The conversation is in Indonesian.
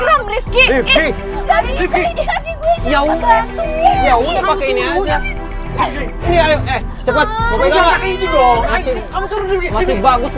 har vitamin jaman kaya terus